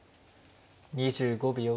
２５秒。